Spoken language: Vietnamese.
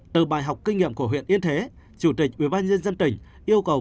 từ bài học kinh nghiệm của huyện yên thế chủ tịch ubnd tỉnh yêu cầu